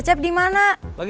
sampai jumpa lagi